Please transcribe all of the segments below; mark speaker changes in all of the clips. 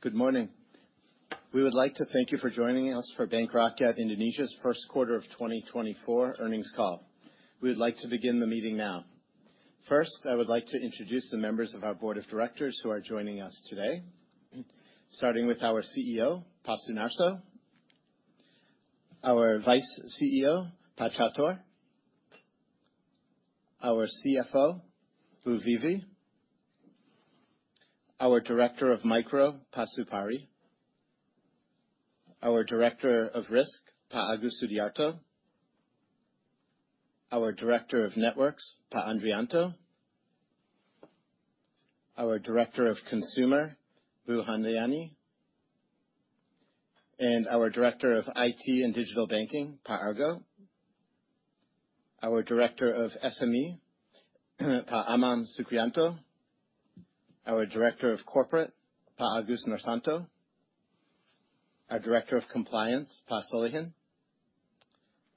Speaker 1: Good morning. We would like to thank you for joining us for Bank Rakyat Indonesia's first quarter of 2024 earnings call. We would like to begin the meeting now. First, I would like to introduce the members of our board of directors who are joining us today, starting with our CEO, Pak Sunarso, our Vice CEO, Pak Catur, our CFO, Bu Vivi, our Director of Micro, Pak Supari, our Director of Risk, Pak Agus Sudiarto, our Director of Networks, Pak Andrijanto, our Director of Consumer, Bu Handayani, and our Director of IT and Digital Banking, Pak Arga, our Director of SME, Pak Amam Sukriyanto, our Director of Corporate, Pak Agus Noorsanto, our Director of Compliance, Pak Solichin,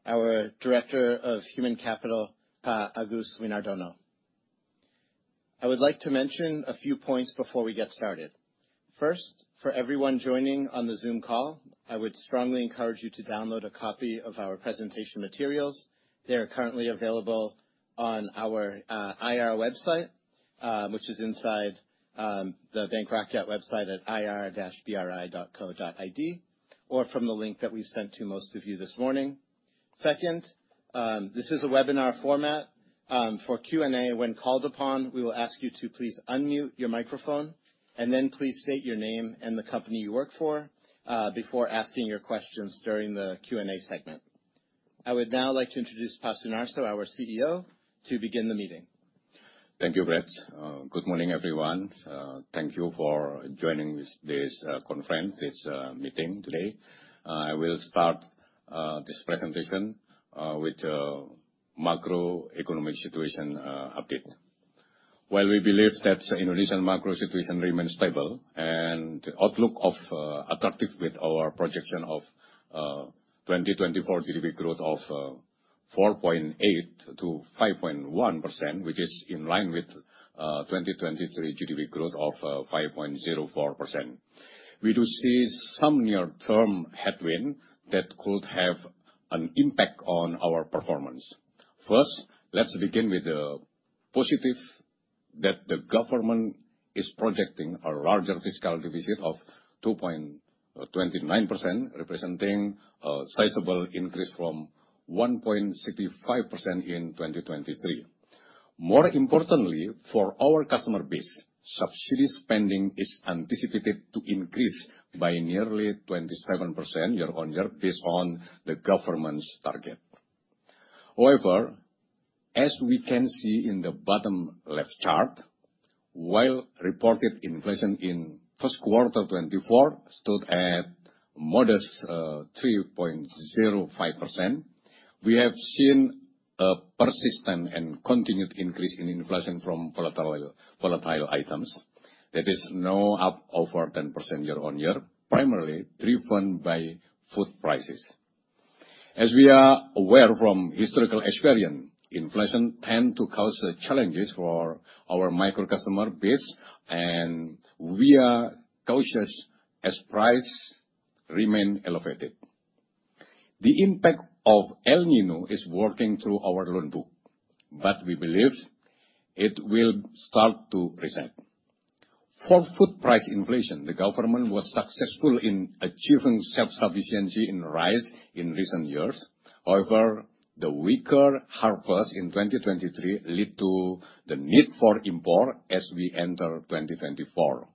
Speaker 1: our Director of Human Capital, Pak Agus Winardono. I would like to mention a few points before we get started. First, for everyone joining on the Zoom call, I would strongly encourage you to download a copy of our presentation materials. They are currently available on our IR website, which is inside the Bank Rakyat website at ir-bri.co.id, or from the link that we've sent to most of you this morning. Second, this is a webinar format. For Q&A, when called upon, we will ask you to please unmute your microphone, and then please state your name and the company you work for before asking your questions during the Q&A segment. I would now like to introduce Pak Sunarso, our CEO, to begin the meeting.
Speaker 2: Thank you, Bret. Good morning, everyone. Thank you for joining this, this, conference, this, meeting today. I will start this presentation with macroeconomic situation update. While we believe that Indonesian macro situation remains stable, and outlook of attractive with our projection of 2024 GDP growth of 4.8%-5.1%, which is in line with 2023 GDP growth of 5.04%. We do see some near-term headwind that could have an impact on our performance. First, let's begin with the positive, that the government is projecting a larger fiscal deficit of 2.29%, representing a sizable increase from 1.65% in 2023. More importantly, for our customer base, subsidy spending is anticipated to increase by nearly 27% year-on-year, based on the government's target. However, as we can see in the bottom left chart, while reported inflation in first quarter 2024 stood at modest 3.05%, we have seen a persistent and continued increase in inflation from volatile items that is now up over 10% year-on-year, primarily driven by food prices. As we are aware from historical experience, inflation tend to cause challenges for our micro customer base, and we are cautious as prices remain elevated. The impact of El Niño is working through our loan book, but we believe it will start to present. For food price inflation, the government was successful in achieving self-sufficiency in rice in recent years. However, the weaker harvest in 2023 lead to the need for import as we enter 2024.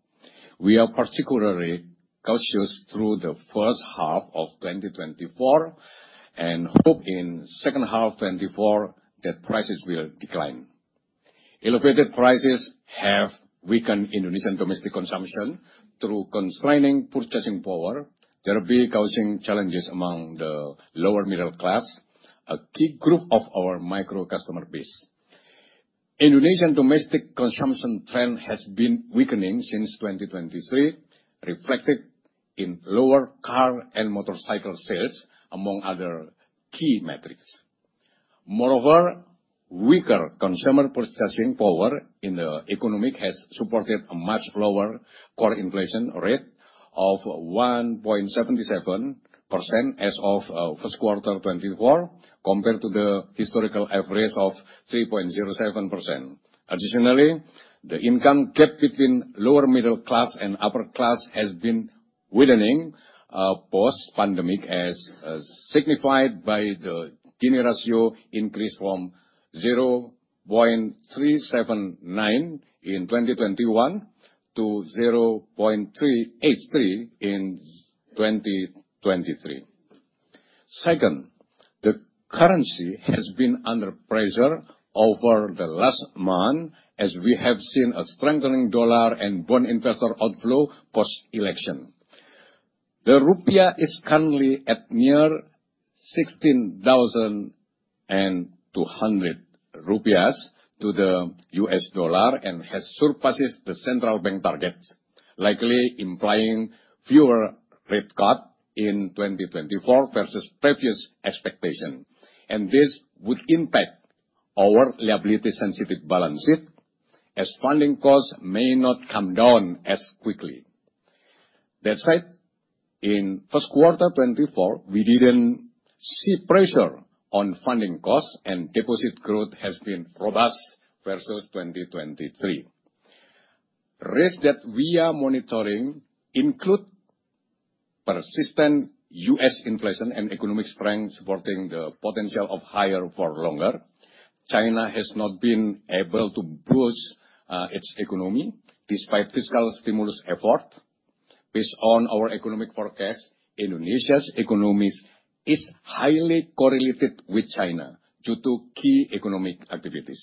Speaker 2: We are particularly cautious through the first half of 2024, and hope in second half 2024, that prices will decline. Elevated prices have weakened Indonesian domestic consumption through constraining purchasing power, thereby causing challenges among the lower middle class, a key group of our micro customer base. Indonesian domestic consumption trend has been weakening since 2023, reflected in lower car and motorcycle sales, among other key metrics. Moreover, weaker consumer purchasing power in the economic has supported a much lower core inflation rate of 1.77% as of first quarter 2024, compared to the historical average of 3.07%. Additionally, the income gap between lower middle class and upper class has been widening post-pandemic, as signified by the Gini Ratio increase from 0.379 in 2021 to 0.383 in 2023. Second, the currency has been under pressure over the last month, as we have seen a strengthening dollar and bond investor outflow post-election. The Rupiah is currently at near 16,200 rupiah to the U.S. dollar, and has surpassed the central bank target, likely implying fewer rate cuts in 2024 versus previous expectation, and this would impact our liability sensitive balance sheet, as funding costs may not come down as quickly. That said, in first quarter 2024, we didn't see pressure on funding costs, and deposit growth has been robust versus 2023. Risks that we are monitoring include persistent U.S. inflation and economic strength, supporting the potential of higher for longer. China has not been able to boost its economy despite fiscal stimulus effort. Based on our economic forecast, Indonesia's economy is highly correlated with China due to key economic activities.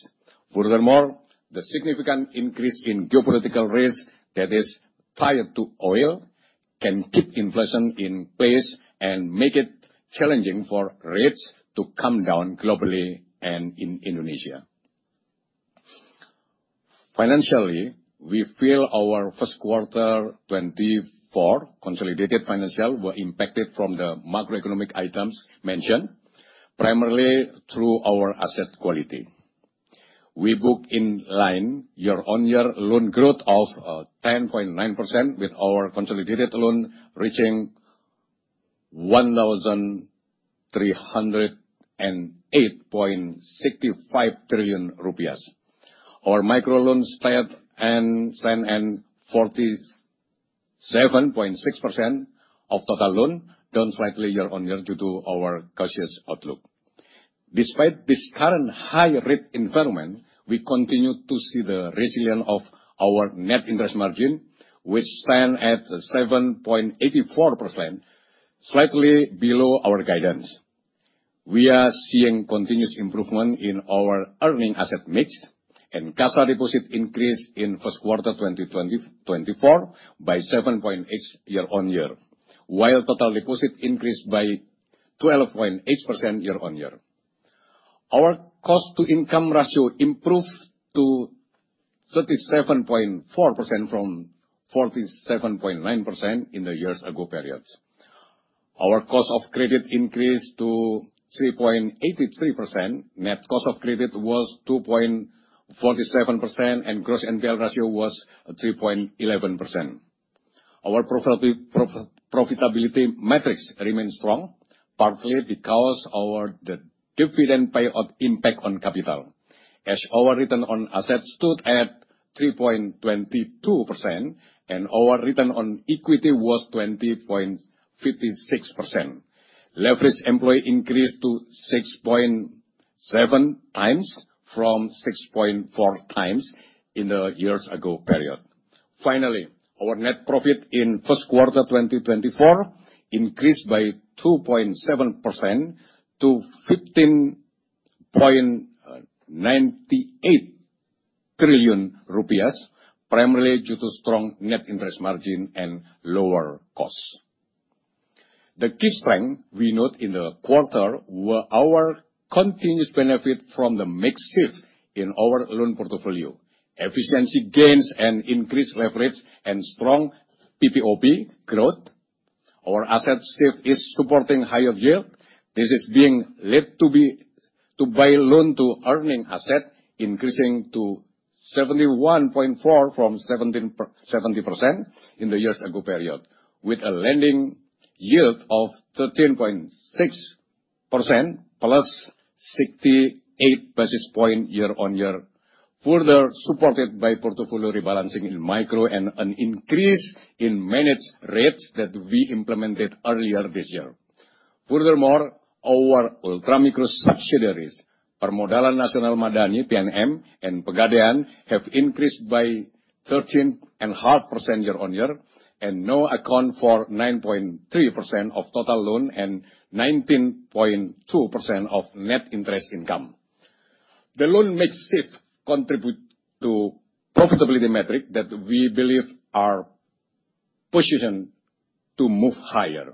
Speaker 2: Furthermore, the significant increase in geopolitical risk that is tied to oil can keep inflation in place and make it challenging for rates to come down globally and in Indonesia. Financially, we feel our first quarter 2024 consolidated financials were impacted from the macroeconomic items mentioned, primarily through our asset quality. We book in line year-on-year loan growth of 10.9% with our consolidated loan reaching IDR 1,308.65 trillion. Our micro loans stayed and stand at 47.6% of total loan, down slightly year-on-year due to our cautious outlook. Despite this current high rate environment, we continue to see the resilience of our net interest margin, which stand at 7.84%, slightly below our guidance. We are seeing continuous improvement in our earning asset mix, and CASA deposit increase in first quarter 2024 by 7.8% year-on-year, while total deposit increased by 12.8% year-on-year. Our cost to income ratio improved to 37.4% from 47.9% in the years ago period. Our cost of credit increased to 3.83%. Net cost of credit was 2.47%, and gross NPL ratio was 3.11%. Our profitability metrics remain strong, partly because our dividend payout impact on capital, as our return on assets stood at 3.22%, and our return on equity was 20.56%. Leverage employee increased to 6.7x from 6.4x in the year-ago period. Finally, our net profit in first quarter 2024 increased by 2.7% to IDR 15.98 trillion, primarily due to strong net interest margin and lower costs. The key strength we note in the quarter were our continuous benefit from the mix shift in our loan portfolio, efficiency gains and increased leverage and strong PPOP growth. Our asset shift is supporting higher yield. This is being led by loans to earning assets, increasing to 71.4% from 70% in the year-ago period, with a lending yield of 13.6%, +68 basis points year-on-year, further supported by portfolio rebalancing in micro and an increase in managed rates that we implemented earlier this year. Furthermore, our ultra-micro subsidiaries, Permodalan Nasional Madani, PNM, and Pegadaian, have increased by 13.5% year-on-year, and now account for 9.3% of total loans and 19.2% of net interest income. The loan mix shift contribute to profitability metric that we believe are positioned to move higher.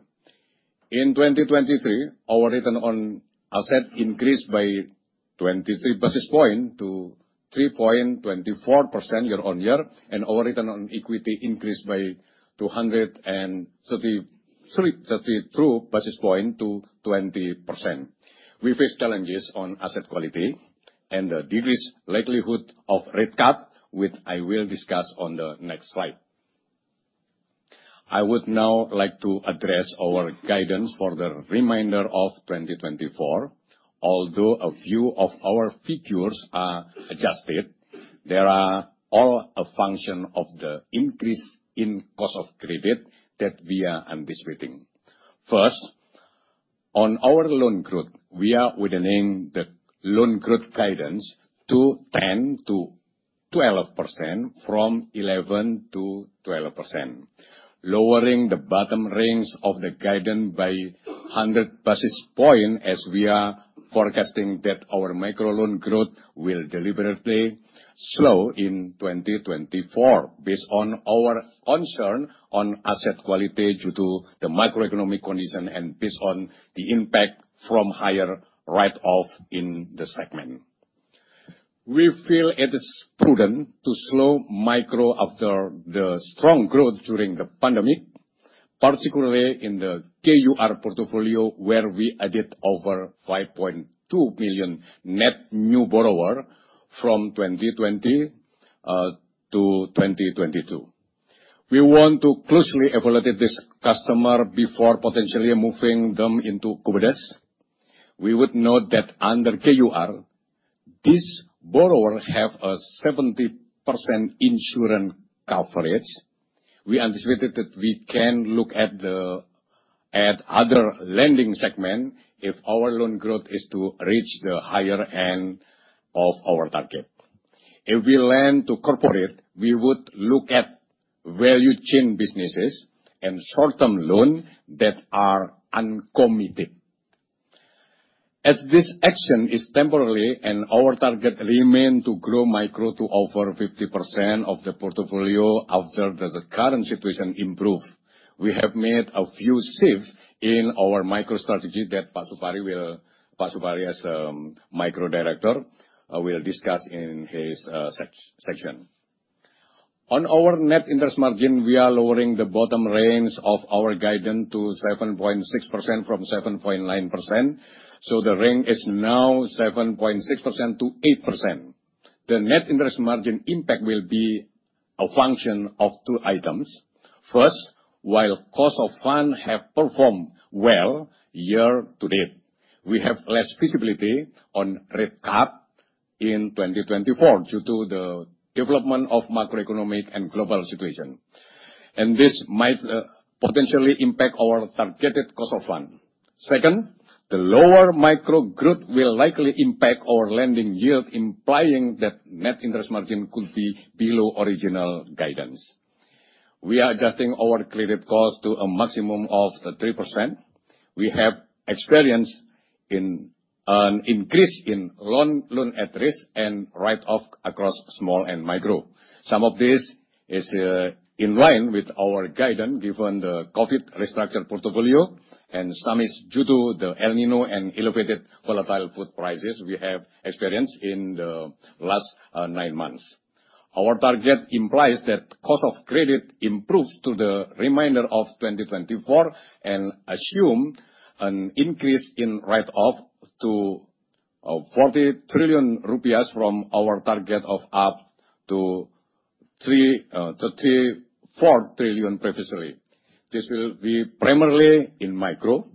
Speaker 2: In 2023, our return on assets increased by 23 basis points to 3.24% year-on-year, and our return on equity increased by 232 basis points to 20%. We face challenges on asset quality and the decreased likelihood of rate cut, which I will discuss on the next slide. I would now like to address our guidance for the remainder of 2024. Although a few of our figures are adjusted, they are all a function of the increase in cost of credit that we are anticipating. First, on our loan growth, we are widening the loan growth guidance to 10%-12%, from 11%-12%, lowering the bottom range of the guidance by 100 basis points, as we are forecasting that our micro loan growth will deliberately slow in 2024, based on our concern on asset quality due to the macroeconomic condition, and based on the impact from higher write-off in the segment. We feel it is prudent to slow micro after the strong growth during the pandemic.... particularly in the KUR portfolio, where we added over 5.2 million net new borrower from 2020 to 2022. We want to closely evaluate this customer before potentially moving them into Kupedes. We would note that under KUR, this borrower have a 70% insurance coverage. We anticipated that we can look at the, at other lending segment if our loan growth is to reach the higher end of our target. If we lend to Corporate, we would look at value chain businesses and short-term loan that are uncommitted. As this action is temporarily and our target remain to grow micro to over 50% of the portfolio after the current situation improve, we have made a few shifts in our micro strategy that Pak Supari will, Pak Supari as Micro Director will discuss in his section. On our net interest margin, we are lowering the bottom range of our guidance to 7.6% from 7.9%, so the range is now 7.6%-8%. The net interest margin impact will be a function of two items. First, while cost of funds have performed well year-to-date, we have less visibility on rate cut in 2024 due to the development of macroeconomic and global situation, and this might potentially impact our targeted cost of fund. Second, the lower micro growth will likely impact our lending yield, implying that net interest margin could be below original guidance. We are adjusting our credit cost to a maximum of 3%. We have experienced an increase in loan at risk and write-off across small and micro. Some of this is in line with our guidance, given the COVID restructure portfolio, and some is due to the El Niño and elevated volatile food prices we have experienced in the last nine months. Our target implies that cost of credit improves to the remainder of 2024, and assume an increase in write-off to IDR 40 trillion from our target of up to 34 trillion previously. This will be primarily in Micro,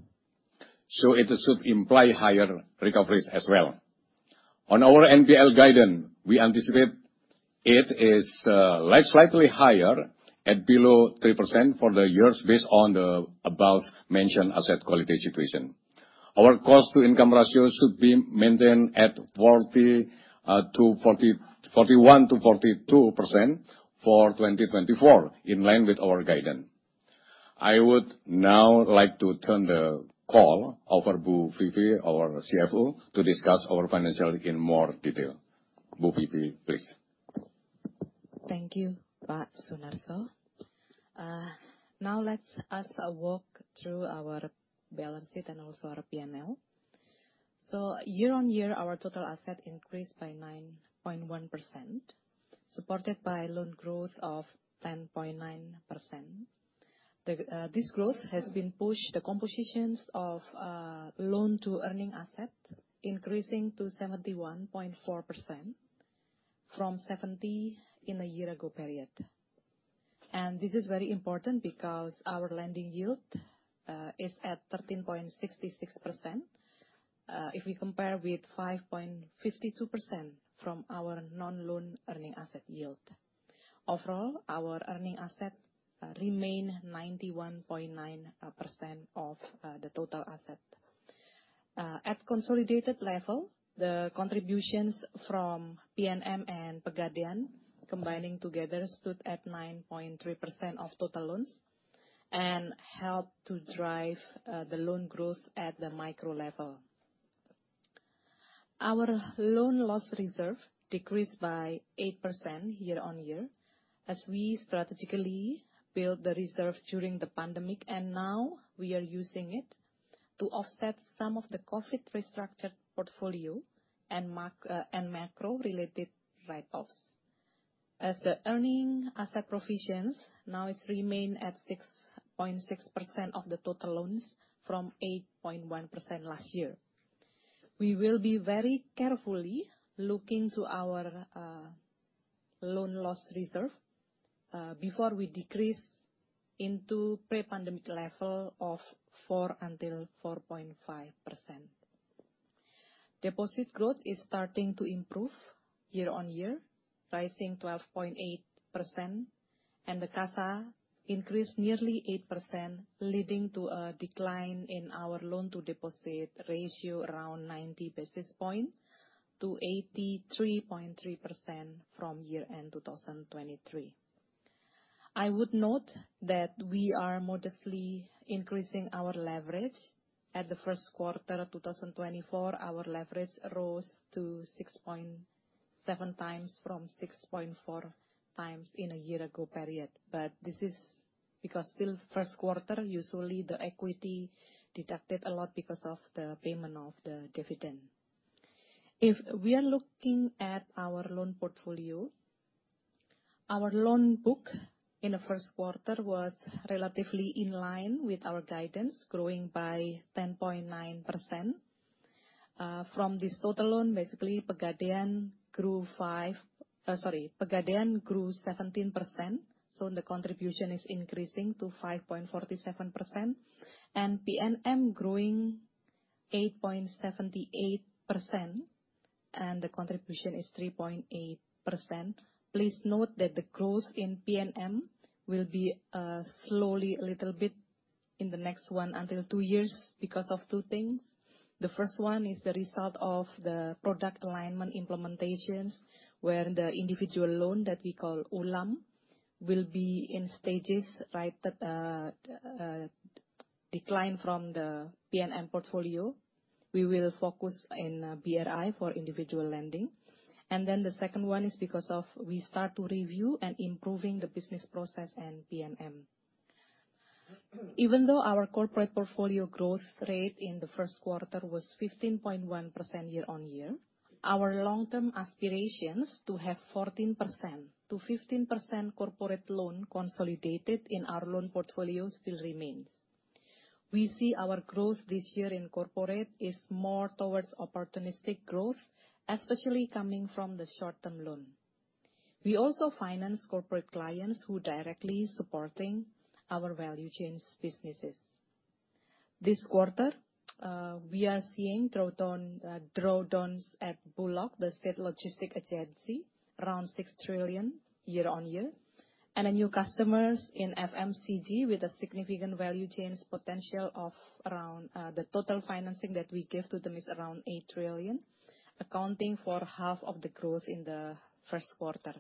Speaker 2: so it should imply higher recoveries as well. On our NPL guidance, we anticipate it is slightly higher at below 3% for the years based on the above mentioned asset quality situation. Our cost to income ratio should be maintained at 40%-41%-42% for 2024, in line with our guidance. I would now like to turn the call over Bu Vivi, our CFO, to discuss our financials in more detail. Bu Vivi, please.
Speaker 3: Thank you, Pak Sunarso. Now let's us walk through our balance sheet and also our P&L. So year-on-year, our total asset increased by 9.1%, supported by loan growth of 10.9%. This growth has been pushed the compositions of loan to earning asset, increasing to 71.4% from 70% in a year-ago period. And this is very important because our lending yield is at 13.66%, if we compare with 5.52% from our non-loan earning asset yield. Overall, our earning asset remain 91.9% of the total asset. At consolidated level, the contributions from PNM and Pegadaian, combining together, stood at 9.3% of total loans and helped to drive the loan growth at the micro level. Our loan loss reserve decreased by 8% year-on-year, as we strategically built the reserve during the pandemic, and now we are using it to offset some of the COVID restructured portfolio and macro-related write-offs. As the earning asset provisions now is remain at 6.6% of the total loans from 8.1% last year. We will be very carefully looking to our loan loss reserve before we decrease into pre-pandemic level of 4%-4.5%. Deposit growth is starting to improve year-on-year, rising 12.8%, and the CASA increased nearly 8%, leading to a decline in our loan-to-deposit ratio, around 90 basis points to 83.3% from year-end 2023. I would note that we are modestly increasing our leverage. At the first quarter of 2024, our leverage rose to 6.7x from 6.4x in a year ago period. But this is because still first quarter, usually the equity deducted a lot because of the payment of the dividend. If we are looking at our loan portfolio, our loan book in the first quarter was relatively in line with our guidance, growing by 10.9%. From this total loan, basically, Pegadaian grew 17%, so the contribution is increasing to 5.47%, and PNM growing 8.78%, and the contribution is 3.8%. Please note that the growth in PNM will be slowly a little bit in the next one until two years because of two things. The first one is the result of the product alignment implementations, where the individual loan that we call ULaMM will be in stages right that decline from the PNM portfolio. We will focus in BRI for individual lending. And then the second one is because of we start to review and improving the business process and PNM. Even though our corporate portfolio growth rate in the first quarter was 15.1% year-on-year, our long-term aspirations to have 14%-15% corporate loan consolidated in our loan portfolio still remains. We see our growth this year in Corporate is more towards opportunistic growth, especially coming from the short-term loan. We also finance corporate clients who directly supporting our value chains businesses. This quarter, we are seeing draw down, draw downs at Bulog, the State Logistics Agency, around 6 trillion year-on-year, and new customers in FMCG with a significant value chains potential of around, the total financing that we give to them is around 8 trillion, accounting for half of the growth in the first quarter.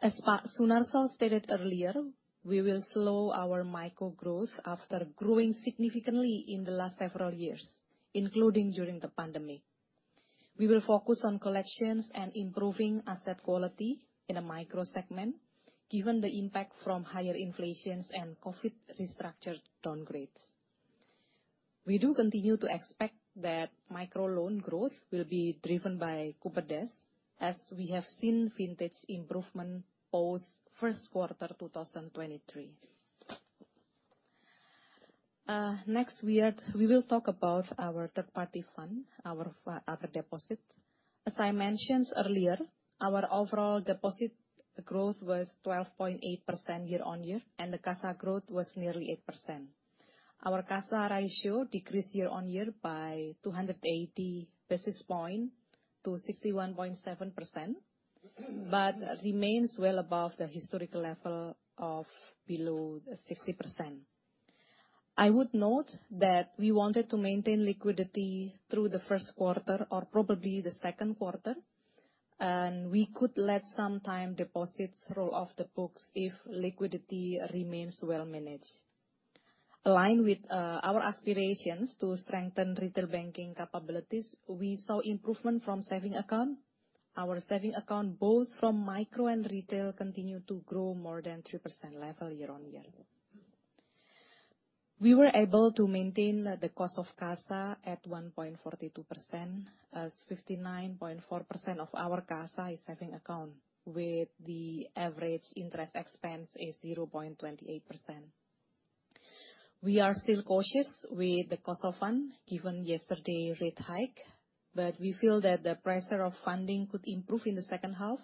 Speaker 3: As Pak Sunarso stated earlier, we will slow our micro growth after growing significantly in the last several years, including during the pandemic. We will focus on collections and improving asset quality in a Micro segment, given the impact from higher inflations and COVID restructure downgrades. We do continue to expect that micro loan growth will be driven by Kupedes, as we have seen vintage improvement post first quarter, 2023. Next, we will talk about our third party fund, our deposit. As I mentioned earlier, our overall deposit growth was 12.8% year-on-year, and the CASA growth was nearly 8%. Our CASA ratio decreased year-on-year by 280 basis points to 61.7%, but remains well above the historical level of below 60%. I would note that we wanted to maintain liquidity through the first quarter or probably the second quarter, and we could let some time deposits roll off the books if liquidity remains well managed. Aligned with our aspirations to strengthen retail banking capabilities, we saw improvement from savings account. Our savings account, both from micro and retail, continue to grow more than 3% level year-on-year. We were able to maintain the cost of CASA at 1.42%, as 59.4% of our CASA is saving account, with the average interest expense is 0.28%. We are still cautious with the cost of fund, given yesterday rate hike, but we feel that the pressure of funding could improve in the second half,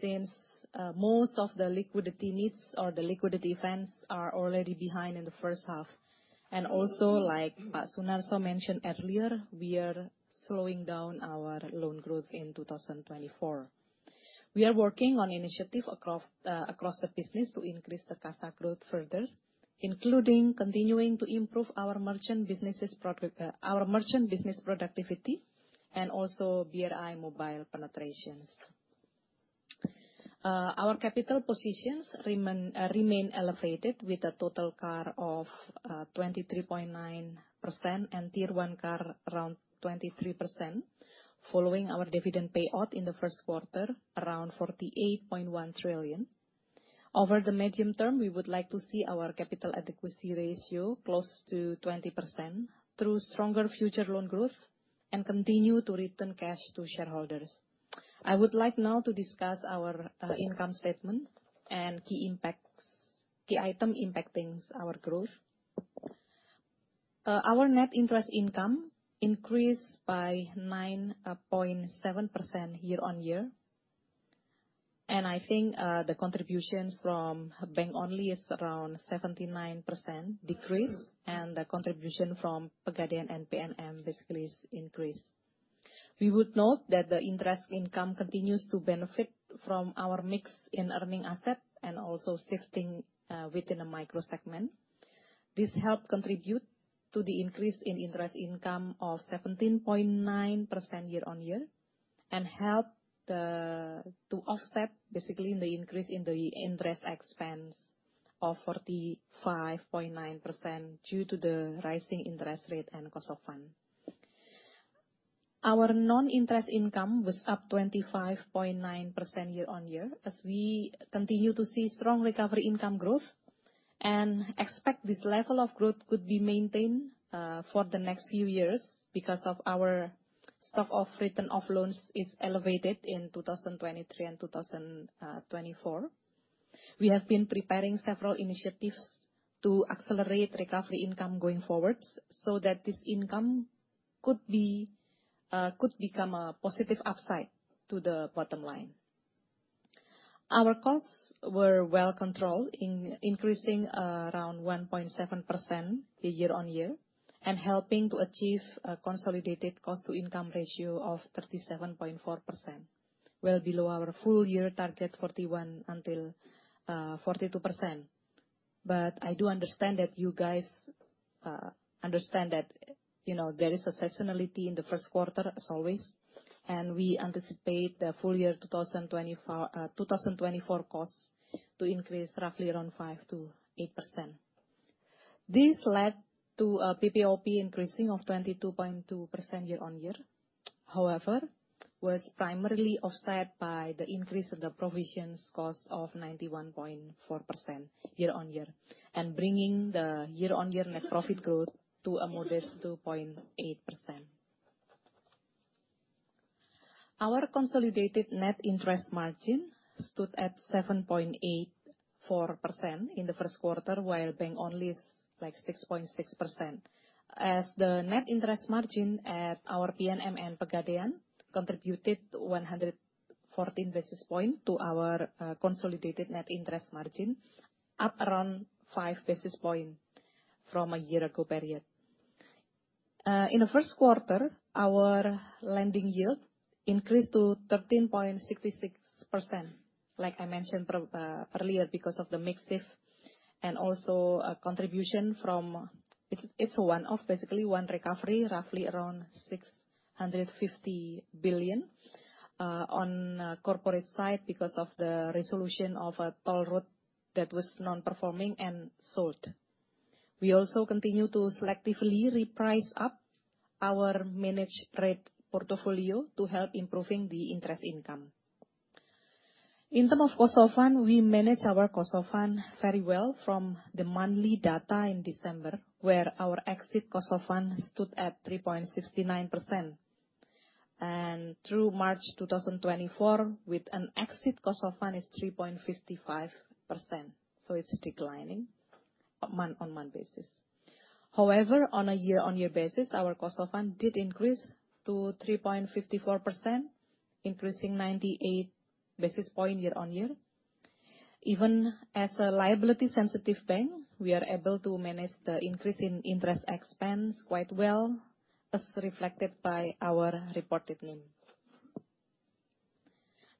Speaker 3: since most of the liquidity needs or the liquidity events are already behind in the first half. And also, like Pak Sunarso mentioned earlier, we are slowing down our loan growth in 2024. We are working on initiative across the business to increase the CASA growth further, including continuing to improve our merchant businesses product, our merchant business productivity, and also BRI mobile penetrations. Our capital positions remain elevated, with a total CAR of 23.9% and Tier 1 CAR around 23%, following our dividend payout in the first quarter, around 48.1 trillion. Over the medium term, we would like to see our capital adequacy ratio close to 20% through stronger future loan growth and continue to return cash to shareholders. I would like now to discuss our income statement and key impacts, key item impacting our growth. Our net interest income increased by 9.7% year-on-year, and I think the contributions from bank only is around 79% decrease, and the contribution from Pegadaian and PNM basically is increase. We would note that the interest income continues to benefit from our mix in earning asset and also shifting within the Micro segment. This helped contribute to the increase in interest income of 17.9% year-on-year and helped to offset basically the increase in the interest expense of 45.9% due to the rising interest rate and cost of fund. Our non-interest income was up 25.9% year-on-year, as we continue to see strong recovery income growth and expect this level of growth could be maintained for the next few years because of our stock of return of loans is elevated in 2023 and 2024. We have been preparing several initiatives to accelerate recovery income going forward so that this income could become a positive upside to the bottom line. Our costs were well controlled, increasing around 1.7% year-on-year, and helping to achieve a consolidated cost-to-income ratio of 37.4%, well below our full year target, 41%-42%. But I do understand that you guys understand that, you know, there is a seasonality in the first quarter as always, and we anticipate the full year 2024 costs to increase roughly around 5%-8%. This led to a PPOP increasing of 22.2% year-on-year, however, was primarily offset by the increase of the provisions cost of 91.4% year-on-year, and bringing the year-on-year net profit growth to a modest 2.8%. Our consolidated net interest margin stood at 7.84% in the first quarter, while bank-only is, like, 6.6%. As the net interest margin at our PNM and Pegadaian contributed 114 basis points to our, consolidated net interest margin, up around 5 basis points from a year-ago period. In the first quarter, our lending yield increased to 13.66%, like I mentioned earlier, because of the mix shift and also a contribution from... It's, it's a one-off, basically one recovery, roughly around 650 billion, on, Corporate side because of the resolution of a toll road that was non-performing and sold. We also continue to selectively reprice up our managed rate portfolio to help improving the interest income. In terms of cost of fund, we manage our cost of fund very well from the monthly data in December, where our exit cost of fund stood at 3.69%. And through March 2024, with an exit cost of fund is 3.55%, so it's declining month-on-month basis. However, on a year-on-year basis, our cost of fund did increase to 3.54%, increasing 98 basis points year-on-year. Even as a liability sensitive bank, we are able to manage the increase in interest expense quite well, as reflected by our reported NIM.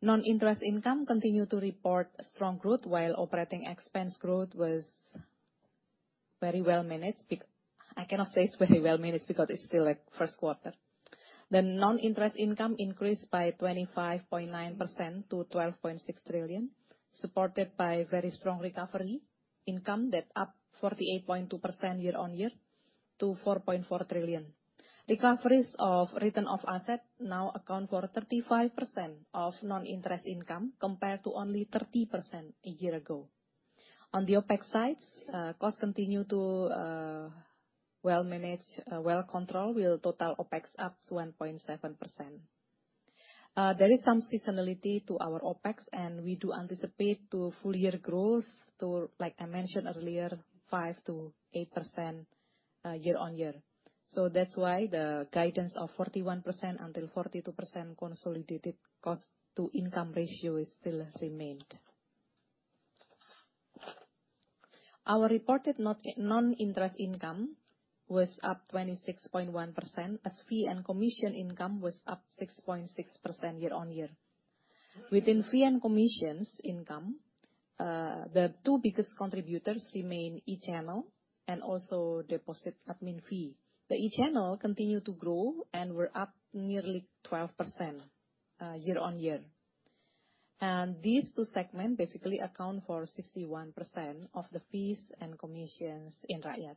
Speaker 3: Non-interest income continued to report strong growth while operating expense growth was very well managed, I cannot say it's very well managed, because it's still, like, first quarter. The non-interest income increased by 25.9% to 12.6 trillion, supported by very strong recovery income that up 48.2% year-on-year to 4.4 trillion. Recoveries of return of asset now account for 35% of non-interest income, compared to only 30% a year ago. On the OpEx sides, costs continue to, well manage, well control, with total OpEx up 1.7%. There is some seasonality to our OpEx, and we do anticipate full year growth to, like I mentioned earlier, 5%-8%, year-on-year. So that's why the guidance of 41% until 42% consolidated cost to income ratio is still remained. Our reported non-interest income was up 26.1%, as fee and commission income was up 6.6% year-on-year. Within fee and commissions income, the two biggest contributors remain e-channel and also deposit admin fee. The e-channel continued to grow and were up nearly 12%, year-on-year. And these two segment basically account for 61% of the fees and commissions in Rakyat.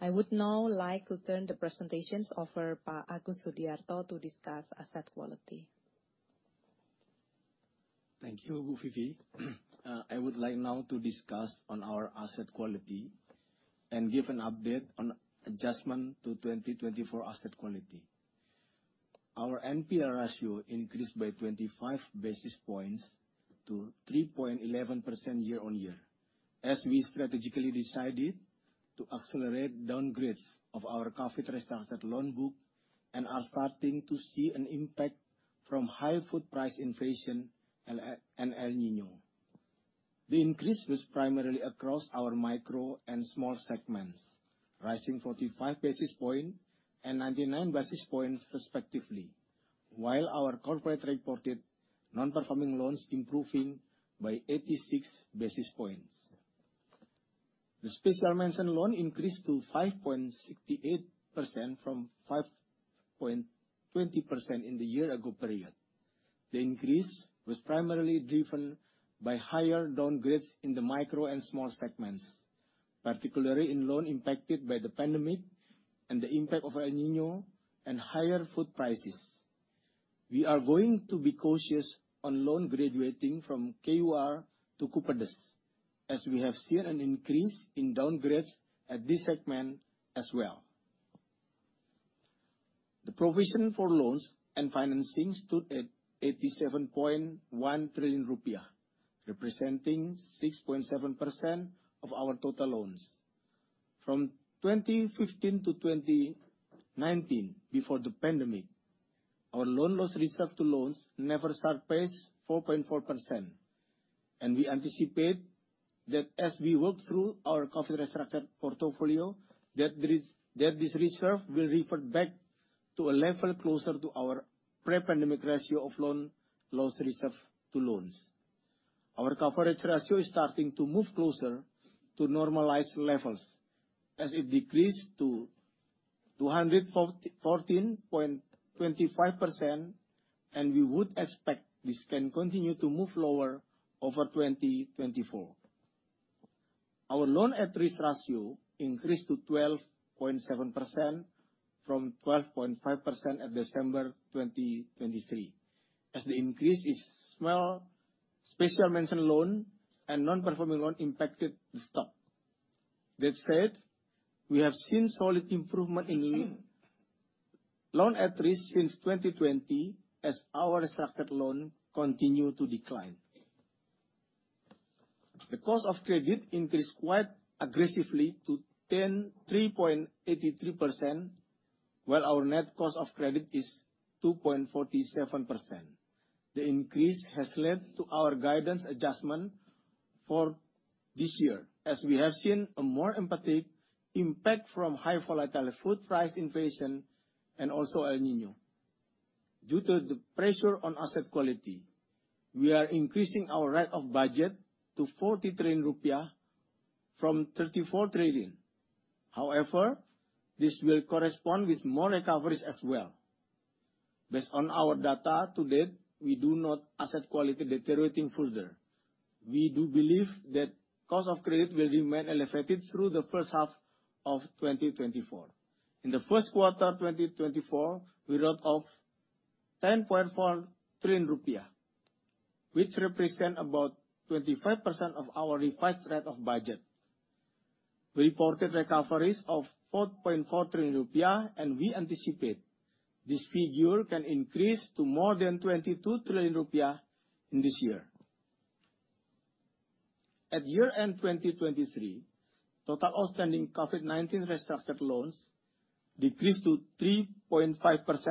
Speaker 3: I would now like to turn the presentations over to Pak Agus Sudiarto to discuss asset quality.
Speaker 4: Thank you, Bu Vivi. I would like now to discuss on our asset quality and give an update on adjustment to 2024 asset quality. Our NPL ratio increased by 25 basis points to 3.11% year-on-year, as we strategically decided to accelerate downgrades of our COVID restructured loan book and are starting to see an impact from high food price inflation, and El Niño. The increase was primarily across our Micro and small segments, rising 45 basis point and 99 basis points, respectively, while our Corporate reported non-performing loans improving by 86 basis points. The special mention loan increased to 5.68% from 5.20% in the year ago period. The increase was primarily driven by higher downgrades in the Micro and Small segments, particularly in loans impacted by the pandemic and the impact of El Niño and higher food prices. We are going to be cautious on loan graduating from KUR to Kupedes, as we have seen an increase in downgrades at this segment as well. The provision for loans and financing stood at 87.1 trillion rupiah, representing 6.7% of our total loans. From 2015-2019, before the pandemic, our loan loss reserve to loans never surpassed 4.4%, and we anticipate that as we work through our COVID restructured portfolio, that this reserve will revert back to a level closer to our pre-pandemic ratio of loan loss reserve to loans. Our coverage ratio is starting to move closer to normalized levels, as it decreased to 214.25%, and we would expect this can continue to move lower over 2024. Our loan at-risk ratio increased to 12.7% from 12.5% at December 2023, as the increase is small, special mention loan and non-performing loan impacted the stock. That said, we have seen solid improvement in loan at-risk since 2020, as our structured loan continue to decline. The cost of credit increased quite aggressively to 3.83%, while our net cost of credit is 2.47%. The increase has led to our guidance adjustment for this year, as we have seen a more emphatic impact from high volatile food price inflation and also El Niño. Due to the pressure on asset quality, we are increasing our write-off budget to 40 trillion rupiah from 34 trillion. However, this will correspond with more recoveries as well. Based on our data to date, we do not see asset quality deteriorating further. We do believe that cost of credit will remain elevated through the first half of 2024. In the first quarter 2024, we wrote off 10.4 trillion rupiah, which represent about 25% of our revised write-off budget. Reported recoveries of 4.4 trillion rupiah, and we anticipate this figure can increase to more than 22 trillion rupiah in this year. At year-end 2023, total outstanding COVID-19 restructured loans decreased to 3.5%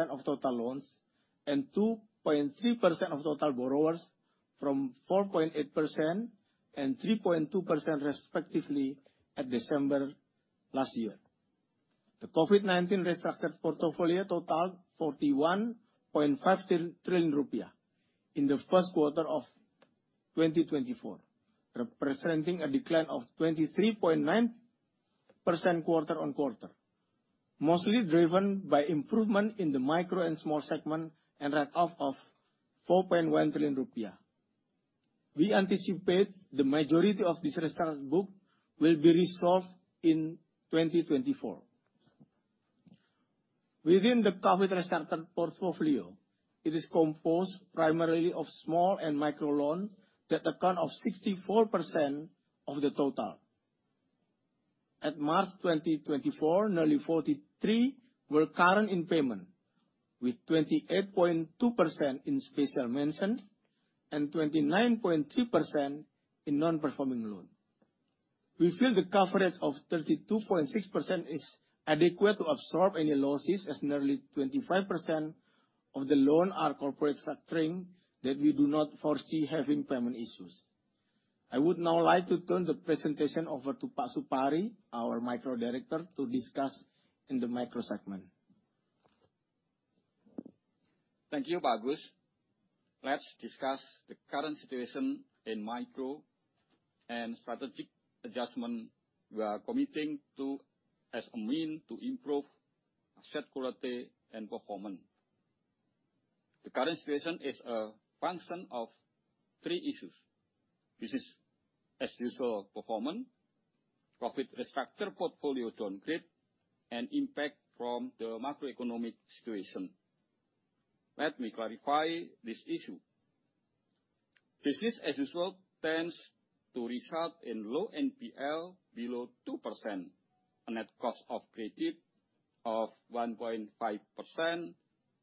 Speaker 4: of total loans and 2.3% of total borrowers, from 4.8% and 3.2%, respectively, at December last year. The COVID-19 restructured portfolio totaled 41.5 trillion rupiah in the first quarter of 2024, representing a decline of 23.9% quarter-on-quarter, mostly driven by improvement in the Micro and Small segment and write-off of 4.1 trillion rupiah. We anticipate the majority of this restructured book will be resolved in 2024. Within the COVID restructured portfolio, it is composed primarily of small and micro loans that account of 64% of the total. At March 2024, nearly 43% were current in payment, with 28.2% in special mention and 29.3% in non-performing loan. We feel the coverage of 32.6% is adequate to absorb any losses, as nearly 25% of the loan are corporate structuring, that we do not foresee having payment issues. I would now like to turn the presentation over to Pak Supari, our Micro Director, to discuss in the Micro segment.
Speaker 5: Thank you, Pak Agus. Let's discuss the current situation in micro and strategic adjustment we are committing to as a means to improve asset quality and performance. The current situation is a function of three issues: business as usual performance, COVID restructured portfolio downgrade, and impact from the macroeconomic situation. Let me clarify this issue. Business as usual tends to result in low NPL below 2%, a net cost of credit of 1.5%,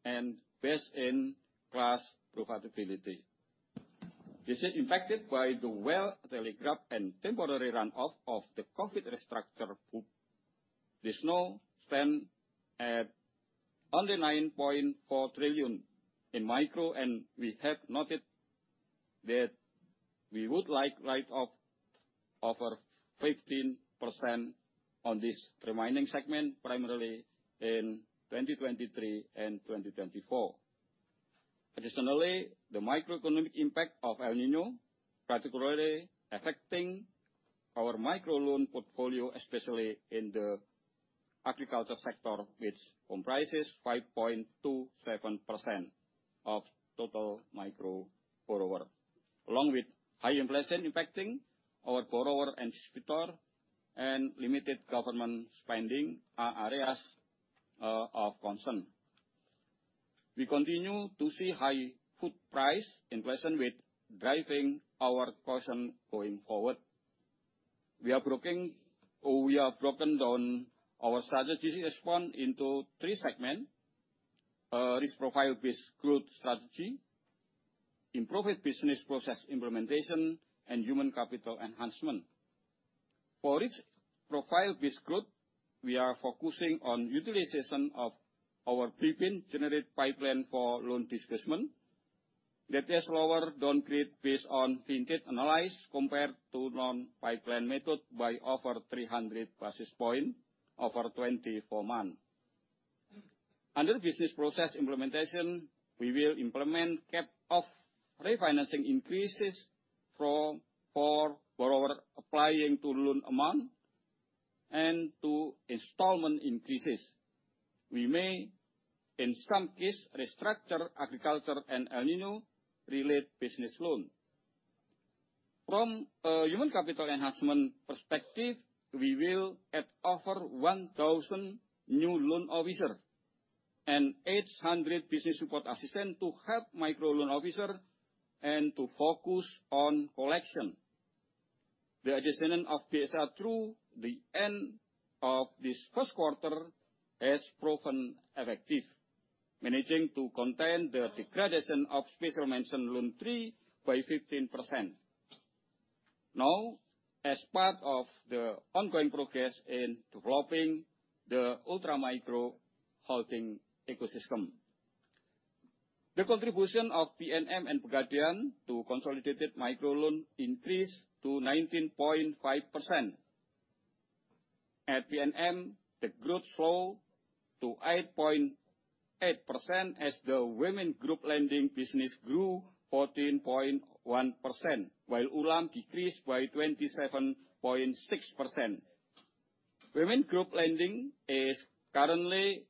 Speaker 5: and best-in-class profitability. This is impacted by the well-telegraphed and temporary run-off of the COVID restructure pool. This now stands at only 9.4 trillion in Micro, and we have noted that we would like to write off over 15% on this remaining segment, primarily in 2023 and 2024. Additionally, the microeconomic impact of El Niño, particularly affecting our micro loan portfolio, especially in the agriculture sector, which comprises 5.27% of total micro borrower. Along with high inflation impacting our borrower and distributor-... and limited government spending are areas of concern. We continue to see high food price inflation with driving our caution going forward. We are broken, or we have broken down our strategy response into three segment: risk profile-based growth strategy, improved business process implementation, and human capital enhancement. For risk profile-based growth, we are focusing on utilization of our BRIBrain generated pipeline for loan disbursement. That is lower downgrade based on vintage analysis compared to non-pipeline method by over 300 basis point over 24 month. Under business process implementation, we will implement cap of refinancing increases from- for borrower applying to loan amount and to installment increases. We may, in some cases, restructure agriculture and El Niño-related business loans. From a human capital enhancement perspective, we will add over 1,000 new Loan Officers and 800 business support assistants to help Micro Loan Officers and to focus on collection. The adjustment of PSR through the end of this first quarter has proven effective, managing to contain the degradation of Special Mention Loan 3 by 15%. Now, as part of the ongoing progress in developing the ultra-micro holding ecosystem, the contribution of PNM and Pegadaian to consolidated micro loans increased to 19.5%. At PNM, the growth slowed to 8.8% as the women group lending business grew 14.1%, while ULaMM decreased by 27.6%. Women group lending is currently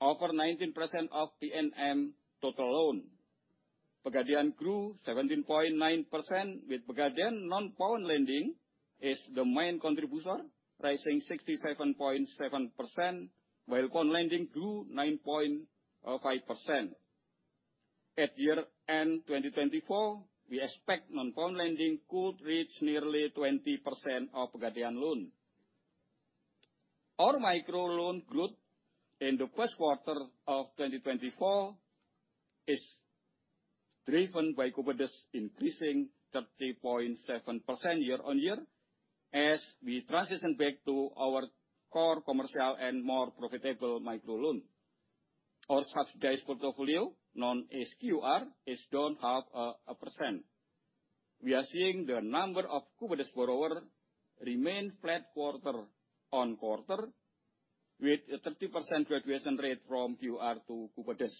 Speaker 5: over 19% of PNM total loans. Pegadaian grew 17.9%, with Pegadaian non-pawn lending is the main contributor, rising 67.7%, while pawn lending grew 9.5%. At year end, 2024, we expect non-pawn lending could reach nearly 20% of Pegadaian loan. Our micro loan growth in the first quarter of 2024 is driven by Kupedes increasing 30.7% year-on-year, as we transition back to our core commercial and more profitable micro loan. Our subsidized portfolio, known as KUR, is down 0.5%. We are seeing the number of Kupedes borrower remain flat quarter-on-quarter, with a 30% graduation rate from KUR to Kupedes.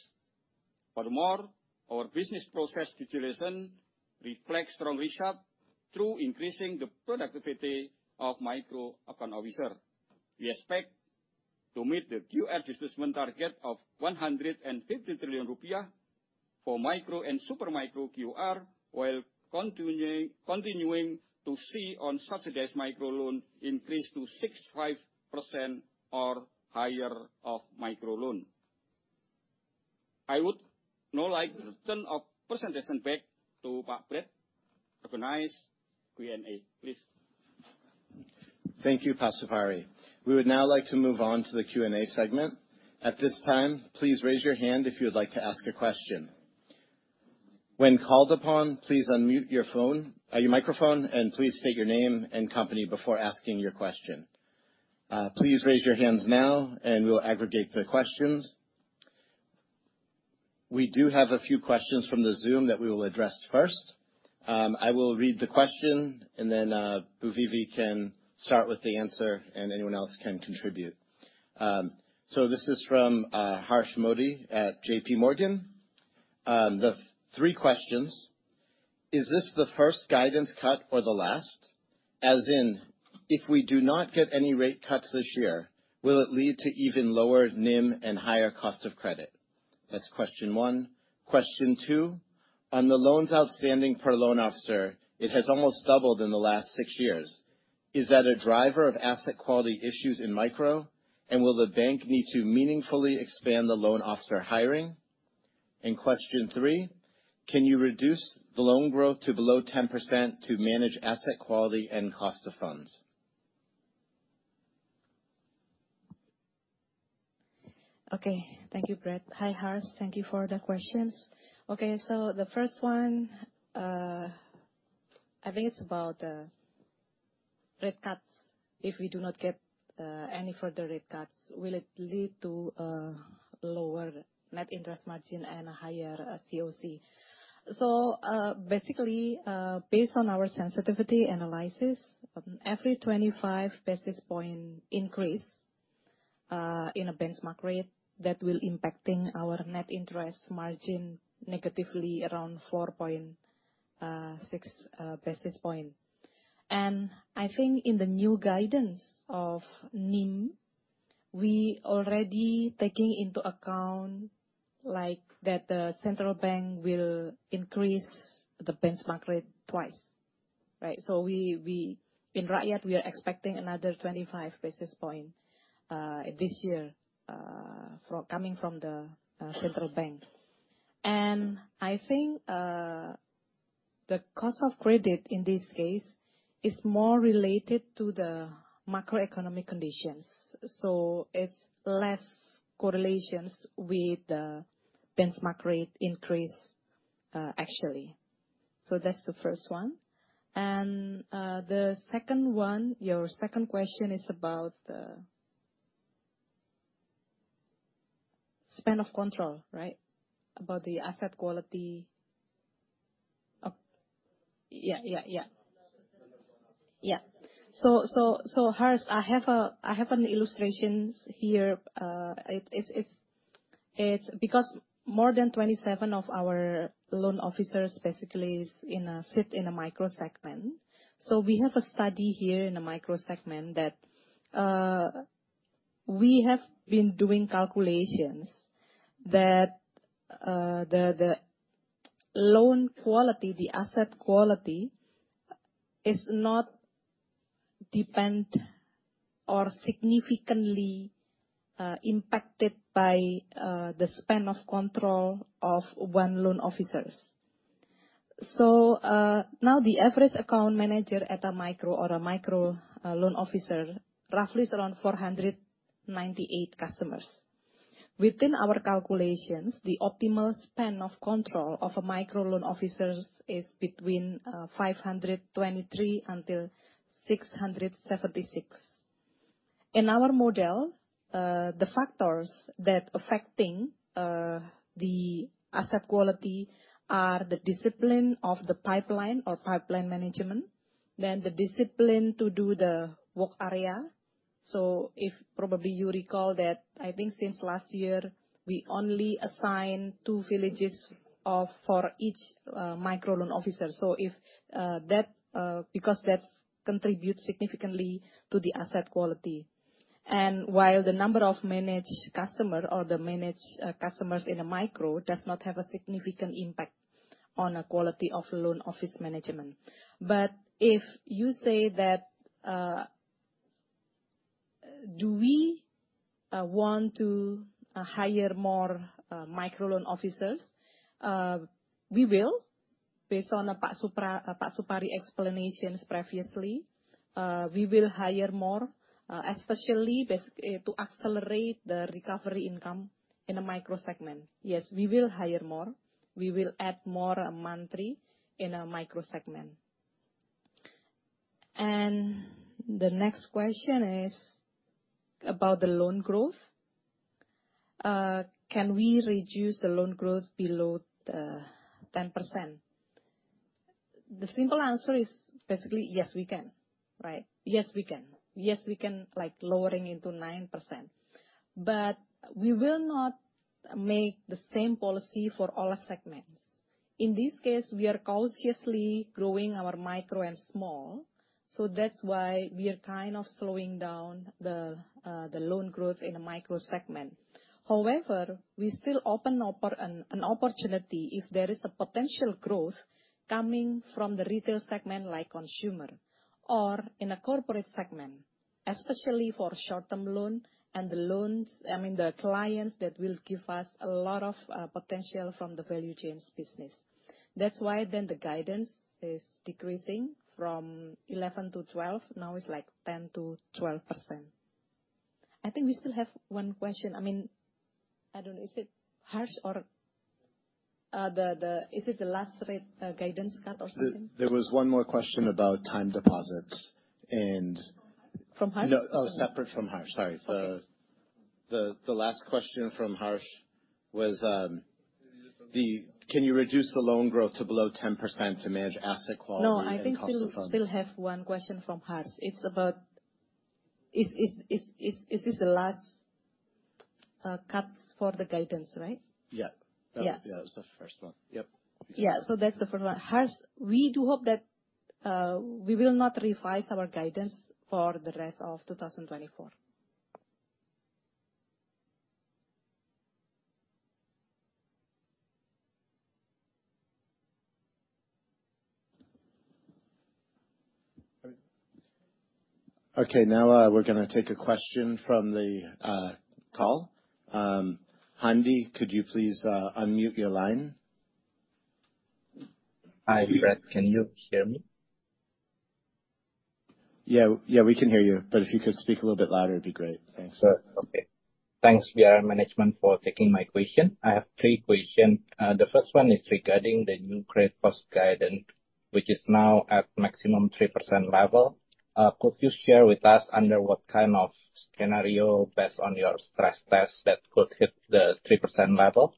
Speaker 5: Furthermore, our business process utilization reflects strong results through increasing the productivity of micro account officer. We expect to meet the KUR disbursement target of 150 trillion rupiah for micro and super micro KUR, while continuing to see on subsidized micro loan increase to 65% or higher of micro loan. I would now like to turn our presentation back to Pak Bret to organize Q&A. Please.
Speaker 1: Thank you, Pak Supari. We would now like to move on to the Q&A segment. At this time, please raise your hand if you would like to ask a question. When called upon, please unmute your phone, your microphone, and please state your name and company before asking your question. Please raise your hands now, and we'll aggregate the questions. We do have a few questions from the Zoom that we will address first. I will read the question, and then, Bu Vivi can start with the answer, and anyone else can contribute. So this is from Harsh Modi at JPMorgan. The three questions: Is this the first guidance cut or the last? As in, if we do not get any rate cuts this year, will it lead to even lower NIM and higher cost of credit? That's question one. Question two, on the loans outstanding per loan officer, it has almost doubled in the last six years. Is that a driver of asset quality issues in Micro, and will the bank need to meaningfully expand the Loan Officer hiring? And question three, can you reduce the loan growth to below 10% to manage asset quality and cost of funds?
Speaker 3: Okay. Thank you, Bret. Hi, Harsh. Thank you for the questions. Okay, so the first one, I think it's about rate cuts. If we do not get, any further rate cuts, will it lead to lower net interest margin and a higher CoC? So, basically, based on our sensitivity analysis, every 25 basis point increase in a benchmark rate, that will impacting our net interest margin negatively around 4.6 basis point. And I think in the new guidance of NIM, we already taking into account, like, that the central bank will increase the benchmark rate 2x, right? So we, in Rakyat, we are expecting another 25 basis point this year from, coming from the, central bank. And I think, the cost of credit in this case is more related to the macroeconomic conditions, so it's less correlations with the benchmark rate increase, actually. So that's the first one. And, the second one, your second question is about the span of control, right? About the asset quality. Yeah, yeah, yeah. Yeah. So, Harsh, I have a, I have an illustrations here. It's because more than 27 of our Loan Officers basically is in a, sit in a Micro segment. So we have a study here in the Micro segment that, we have been doing calculations that, the, the loan quality, the asset quality, is not depend or significantly impacted by the span of control of one Loan Officers. So, now, the average account manager at a micro loan officer roughly is around 498 customers. Within our calculations, the optimal span of control of a Micro Loan Officersis between 523-676. In our model, the factors that affecting the asset quality are the discipline of the pipeline or pipeline management, then the discipline to do the work area. So if probably you recall that, I think since last year, we only assigned two villages for each micro loan officer. So if that, because that contributes significantly to the asset quality. And while the number of managed customers in a micro does not have a significant impact on the quality of loan office management. But if you say that, do we want to hire more Micro Loan Officers? We will, based on the Pak Supari explanations previously. We will hire more, especially to accelerate the recovery income in the Micro segment. Yes, we will hire more. We will add more monthly in a Micro segment. And the next question is about the loan growth. Can we reduce the loan growth below the 10%? The simple answer is basically yes we can, right? Yes, we can. Yes, we can, like, lowering into 9%. But we will not make the same policy for all segments. In this case, we are cautiously growing our Micro and Small, so that's why we are kind of slowing down the loan growth in the Micro segment. However, we still open an opportunity if there is a potential growth coming from the Retail segment, like consumer or in a Corporate segment, especially for short-term loan and the loans, I mean, the clients that will give us a lot of potential from the value chains business. That's why then the guidance is decreasing from 11%-12%, now it's like 10%-12%. I think we still have one question. I mean, I don't know, is it Harsh or, is it the last rate, guidance cut or something?
Speaker 1: There was one more question about time deposits, and-
Speaker 3: From Harsh?
Speaker 1: No. Oh, separate from Harsh. Sorry.
Speaker 3: Okay.
Speaker 1: The last question from Harsh was, "Can you reduce the loan growth to below 10% to manage asset quality and cost of funds?
Speaker 3: No, I think we still have one question from Harsh. It's about, is this the last cuts for the guidance, right?
Speaker 1: Yeah.
Speaker 3: Yeah.
Speaker 1: Yeah, it was the first one. Yep.
Speaker 3: Yeah, so that's the first one. Harsh, we do hope that we will not revise our guidance for the rest of 2024.
Speaker 1: Okay, now, we're gonna take a question from the call. Handy, could you please unmute your line?
Speaker 6: Hi, Bret. Can you hear me?
Speaker 1: Yeah, yeah. We can hear you. But if you could speak a little bit louder, it'd be great. Thanks.
Speaker 6: Sure. Okay. Thanks BR management for taking my question. I have three question. The first one is regarding the new credit cost guidance, which is now at maximum 3% level. Could you share with us under what kind of scenario, based on your stress test, that could hit the 3% level?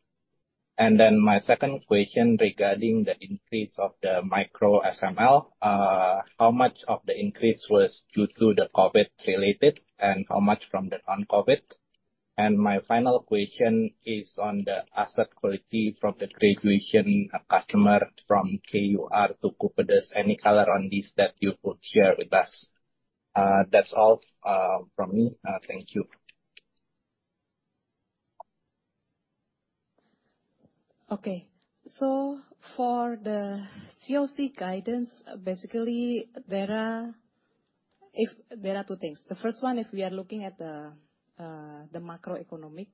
Speaker 6: And then my second question regarding the increase of the micro SML, how much of the increase was due to the COVID-related, and how much from the non-COVID? And my final question is on the asset quality from the graduation of customer from KUR to Kupedes. Any color on this that you could share with us? That's all from me. Thank you.
Speaker 3: Okay. So for the CoC guidance, basically, there are two things. The first one, if we are looking at the macroeconomic.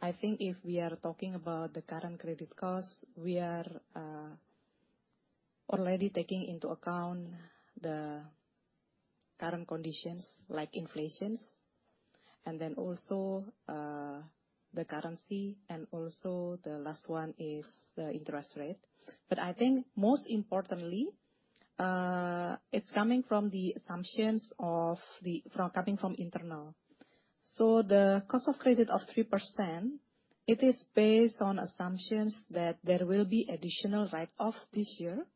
Speaker 3: I think if we are talking about the current credit costs, we are already taking into account the current conditions like inflations, and then also the currency, and also the last one is the interest rate. But I think most importantly, it's coming from the assumptions of the, from coming from internal. So the cost of credit of 3%, it is based on assumptions that there will be additional write-off this year.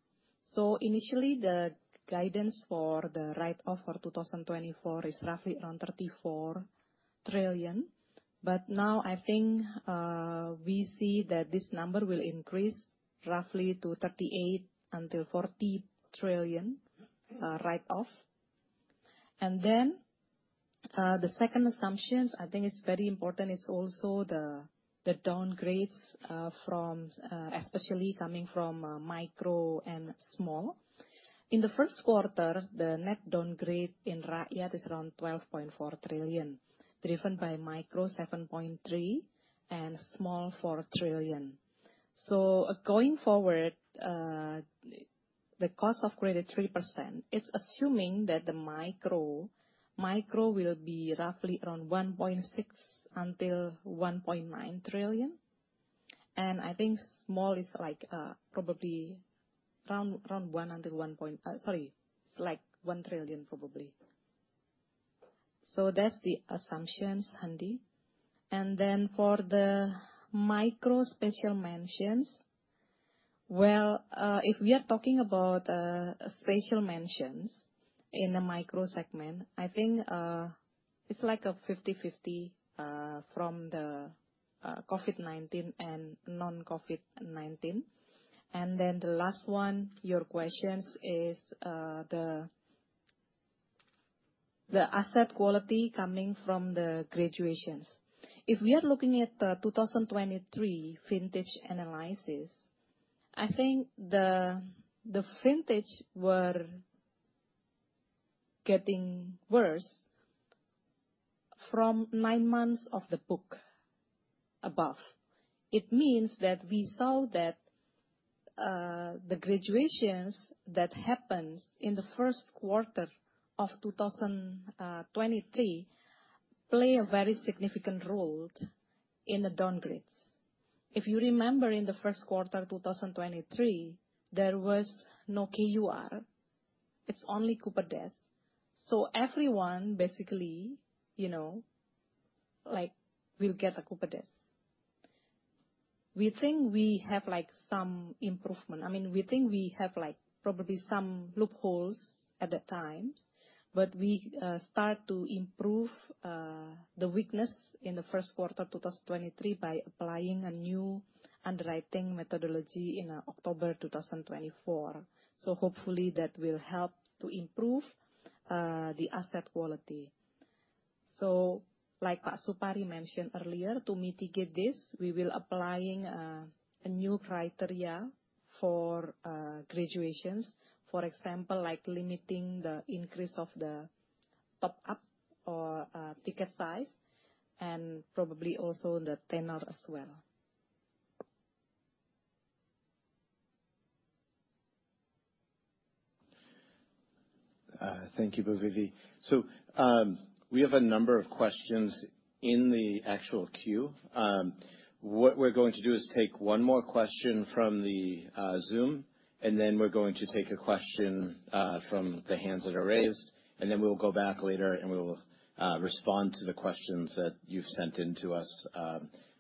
Speaker 3: So initially, the guidance for the write-off for 2024 is roughly around 34 trillion. But now, I think we see that this number will increase roughly to 38 trillion-40 trillion write-off. And then, the second assumptions, I think it's very important, is also the downgrades from especially coming from Micro and Small. In the first quarter, the net downgrade in Rakyat is around 12.4 trillion, driven by Micro, 7.3 trillion, and Small, 4 trillion. So going forward, the cost of credit 3%, it's assuming that the Micro, Micro will be roughly around 1.6 trillion-1.9 trillion. And I think Small is like, probably around, around 1 trillion- IDR 1.-- Sorry, it's like 1 trillion, probably. So that's the assumptions, Handy. And then for the micro special mentions, well, if we are talking about special mentions in the Micro segment, I think, it's like a 50/50 from the COVID-19 and non-COVID-19. And then the last one. Your questions is the asset quality coming from the graduations. If we are looking at the 2023 vintage analysis, I think the vintage were getting worse from nine months of the book above. It means that we saw that, the graduations that happened in the first quarter of 2023, play a very significant role in the downgrades. If you remember, in the first quarter 2023, there was no KUR. It's only Kupedes. So everyone, basically, you know, like, will get a Kupedes. We think we have, like, some improvement. I mean, we think we have, like, probably some loopholes at that time, but we start to improve the weakness in the first quarter 2023 by applying a new underwriting methodology in October 2024. So hopefully, that will help to improve the asset quality. So like Pak Supari mentioned earlier, to mitigate this, we will applying a new criteria for graduations, for example, like limiting the increase of the top-up or ticket size, and probably also the tenor as well.
Speaker 1: Thank you, Bu Vivi. We have a number of questions in the actual queue. What we're going to do is take one more question from the Zoom, and then we're going to take a question from the hands that are raised. And then we'll go back later, and we will respond to the questions that you've sent in to us.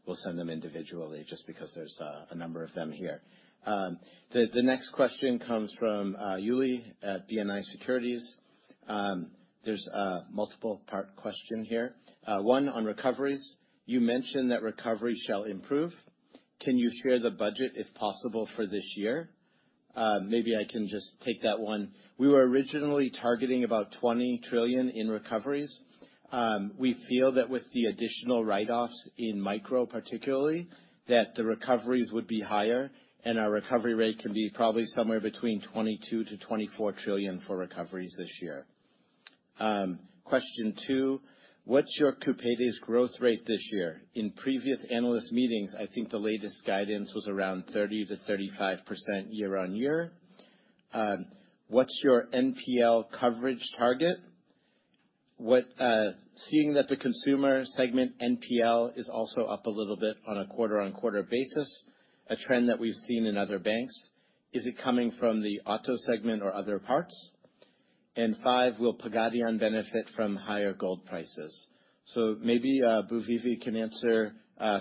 Speaker 1: We'll send them individually, just because there's a number of them here. The next question comes from Yuli at BNI Securities. There's a multiple-part question here. One, on recoveries, you mentioned that recoveries shall improve. Can you share the budget, if possible, for this year? Maybe I can just take that one. We were originally targeting about 20 trillion in recoveries. We feel that with the additional write-offs in Micro, particularly, that the recoveries would be higher, and our recovery rate can be probably somewhere between 22 trillion-24 trillion for recoveries this year. Question two: What's your Kupedes growth rate this year? In previous analyst meetings, I think the latest guidance was around 30%-35% year-on-year. What's your NPL coverage target? What... Seeing that the consumer segment NPL is also up a little bit on a quarter-on-quarter basis, a trend that we've seen in other banks, is it coming from the auto segment or other parts? And five, will Pegadaian benefit from higher gold prices? So maybe, Bu Vivi can answer,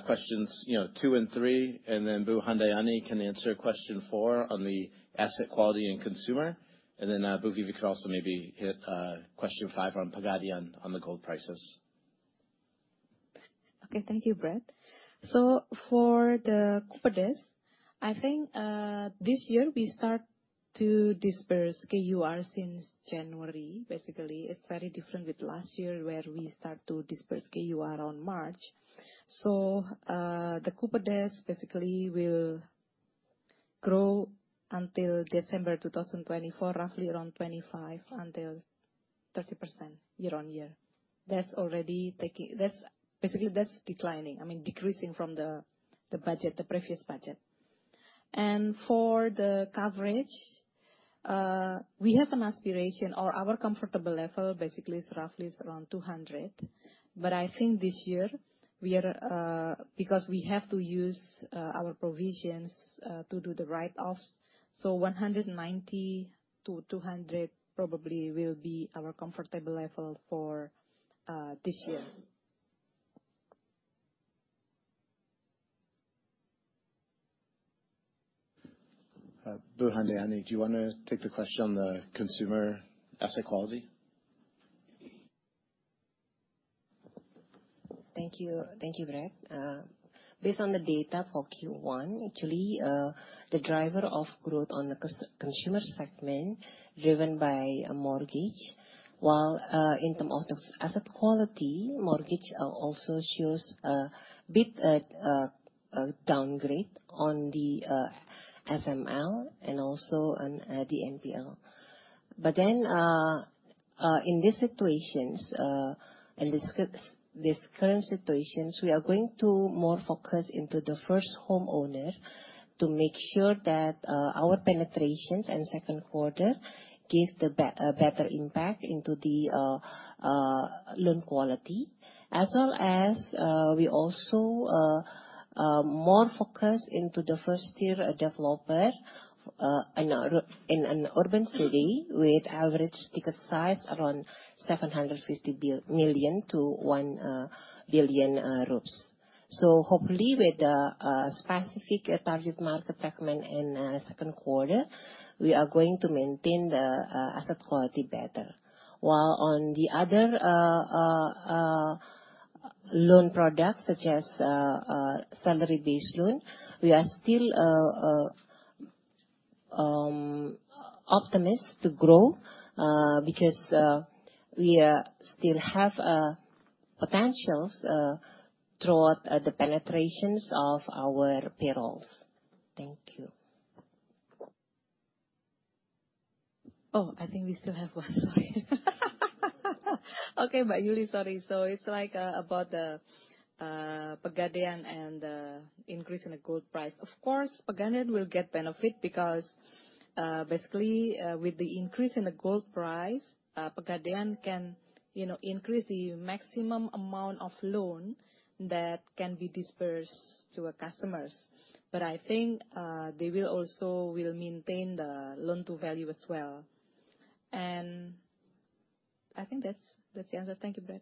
Speaker 1: questions, you know, two and three, and then Bu Handayani can answer question four on the asset quality and consumer. Bu Vivi could also maybe hit question five on Pegadaian, on the gold prices.
Speaker 3: Okay, thank you, Bret. So for the Kupedes, I think this year we start to disburse KUR since January. Basically, it's very different with last year, where we start to disburse KUR on March. So the Kupedes basically will grow until December 2024, roughly around 25%-30% year-on-year. That's already taking. That's, basically, that's declining, I mean, decreasing from the, the budget, the previous budget. And for the coverage, we have an aspiration, or our comfortable level, basically, is roughly is around 200%. But I think this year, we are because we have to use our provisions to do the write-offs, so 190%-200% probably will be our comfortable level for this year.
Speaker 1: Bu Handayani, do you want to take the question on the consumer asset quality?
Speaker 7: Thank you. Thank you, Bret. Based on the data for Q1, actually, the driver of growth on the Consumer segment, driven by a mortgage, while in terms of the asset quality, mortgage also shows a bit a downgrade on the SML and also on the NPL. But then in these situations, in this current situation, we are going to more focus into the first homeowner to make sure that our penetrations in second quarter give the better impact into the loan quality. As well as, we also more focus into the first year developer in a in an urban city with average ticket size around IDR 750 million-IDR 1 billion. So hopefully, with the specific target market segment in second quarter, we are going to maintain the asset quality better. While on the other loan products, such as salary-based loan, we are still optimistic to grow, because we still have potentials throughout the penetrations of our payrolls. Thank you.
Speaker 3: Oh, I think we still have one. Sorry. Okay, Ba Yuli, sorry. So it's like, about the Pegadaian and the increase in the gold price. Of course, Pegadaian will get benefit because, basically, with the increase in the gold price. Pegadaian can, you know, increase the maximum amount of loan that can be dispersed to our customers. But I think, they will also will maintain the loan-to-value as well. And I think that's, that's the answer. Thank you, Bret.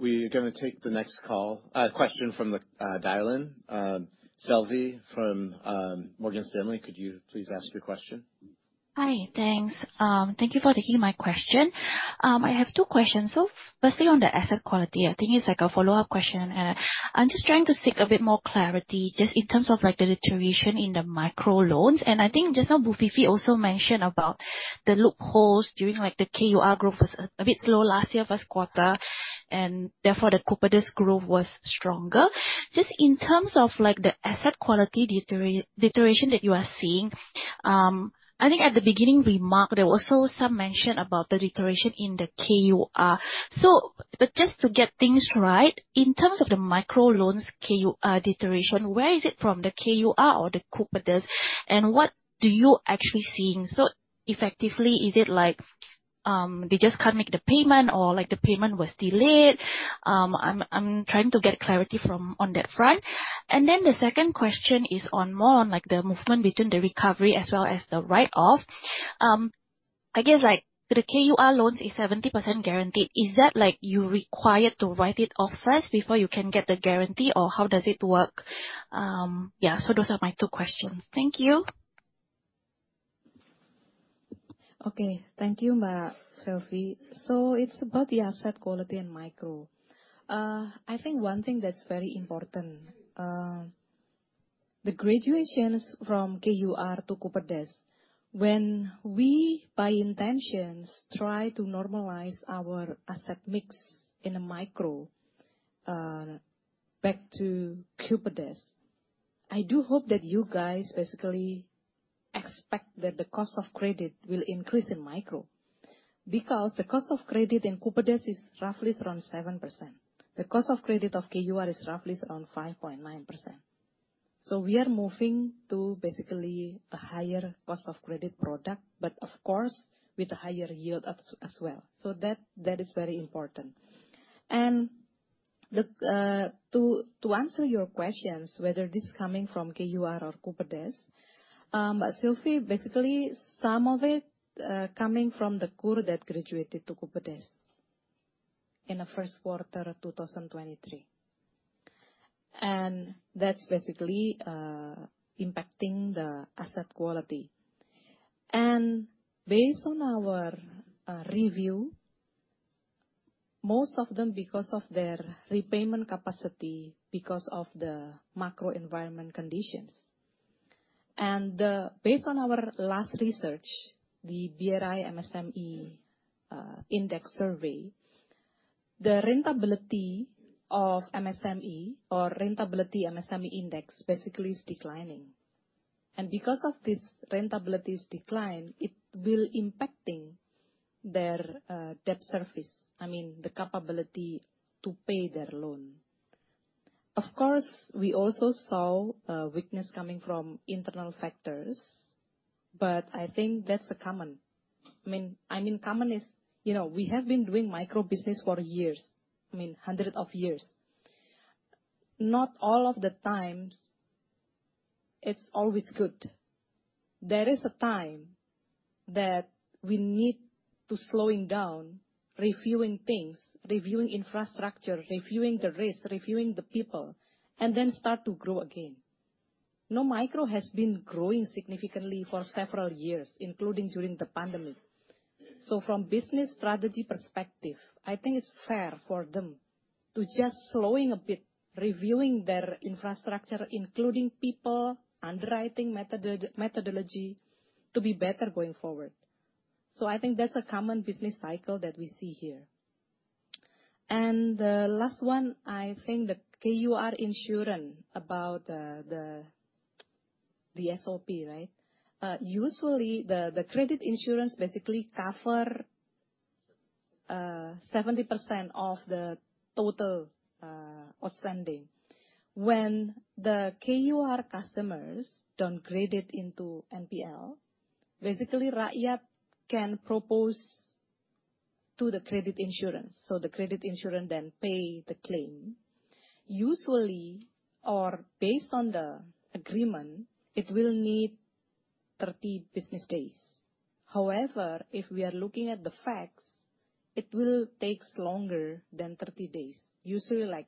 Speaker 1: We are going to take the next call question from the dial-in. Selvie from Morgan Stanley, could you please ask your question?
Speaker 8: Hi, thanks. Thank you for taking my question. I have two questions. So firstly, on the asset quality, I think it's like a follow-up question, I'm just trying to seek a bit more clarity just in terms of, like, the deterioration in the micro loans. And I think just now, Bu Vivi also mentioned about the loopholes during, like, the KUR growth was a bit slow last year, first quarter. And therefore, the Kupedes growth was stronger. Just in terms of, like, the asset quality deterioration that you are seeing, I think at the beginning remark, there was also some mention about the deterioration in the KUR. So but just to get things right, in terms of the micro loans, KUR deterioration, where is it from, the KUR or the Kupedes, and what do you actually seeing? So effectively, is it like they just can't make the payment or like the payment was delayed? I'm trying to get clarity from on that front. And then the second question is on more on, like, the movement between the recovery as well as the write-off. I guess, like, the KUR loans is 70% guaranteed. Is that, like, you required to write it off first before you can get the guarantee, or how does it work? Yeah, so those are my two questions. Thank you.
Speaker 3: Okay. Thank you, Selvie. So it's about the asset quality in Micro. I think one thing that's very important. The graduations from KUR to Kupedes, when we, by intentions, try to normalize our asset mix in the Micro, back to Kupedes, I do hope that you guys basically expect that the cost of credit will increase in Micro. Because the cost of credit in Kupedes is roughly around 7%. The cost of credit of KUR is roughly around 5.9%. So we are moving to basically a higher cost of credit product, but of course, with a higher yield as well. So that is very important. To answer your questions, whether this coming from KUR or Kupedes, Selvie, basically, some of it coming from the KUR that graduated to Kupedes in the first quarter of 2023. And that's basically impacting the asset quality. And based on our review, most of them because of their repayment capacity, because of the macro environment conditions. Based on our last research, the BRI MSME Index Survey, the rentability of MSME or rentability MSME index basically is declining. And because of this rentability's decline, it will impacting their debt service, I mean, the capability to pay their loan. Of course, we also saw a weakness coming from internal factors, but I think that's a common. I mean, common is, you know, we have been doing Micro business for years, I mean, hundred of years. Not all of the times it's always good. There is a time that we need to slowing down, reviewing things, reviewing infrastructure, reviewing the risk, reviewing the people, and then start to grow again. Now, Micro has been growing significantly for several years, including during the pandemic. So from business strategy perspective, I think it's fair for them to just slowing a bit, reviewing their infrastructure, including people, underwriting methodology to be better going forward. So I think that's a common business cycle that we see here. And the last one, I think the KUR insurance about the SOP, right? Usually, the credit insurance basically cover 70% of the total outstanding. When the KUR customers downgrade it into NPL, basically, Rakyat can propose to the credit insurance, so the credit insurance then pay the claim. Usually, or based on the agreement, it will need 30 business days. However, if we are looking at the facts, it will take longer than 30 days, usually, like,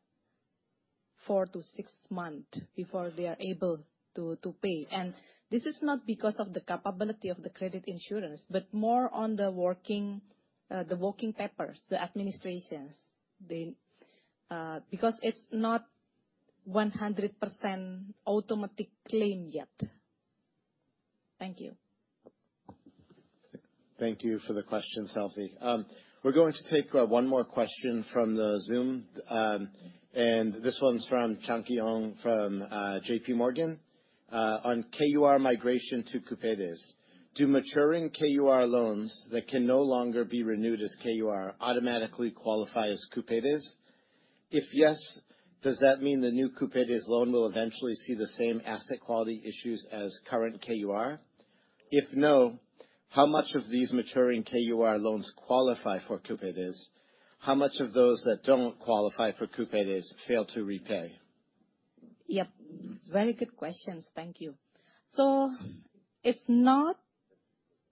Speaker 3: four to six months before they are able to, to pay. And this is not because of the capability of the credit insurance, but more on the working, the working papers, the administrations, the, because it's not 100% automatic claim yet. Thank you.
Speaker 1: Thank you for the question, Selvie. We're going to take one more question from the Zoom, and this one's from Chang Qi Ong, from JPMorgan. On KUR migration to Kupedes, do maturing KUR loans that can no longer be renewed as KUR automatically qualify as Kupedes? If yes, does that mean the new Kupedes loan will eventually see the same asset quality issues as current KUR? If no, how much of these maturing KUR loans qualify for Kupedes? How much of those that don't qualify for Kupedes fail to repay?
Speaker 3: Yep. It's very good questions. Thank you. So it's not.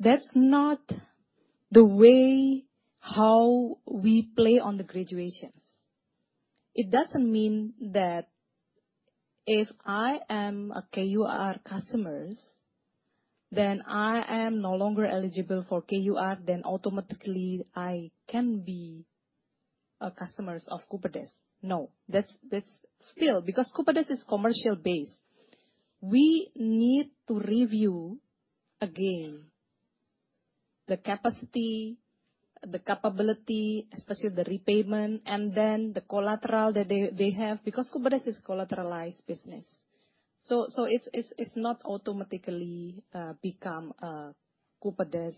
Speaker 3: That's not the way how we play on the graduations. It doesn't mean that if I am a KUR customers, then I am no longer eligible for KUR, then automatically I can be a customers of Kupedes. No, that's. Still, because Kupedes is commercial-based. We need to review again the capacity, the capability, especially the repayment, and then the collateral that they have, because Kupedes is collateralized business. So it's not automatically become a Kupedes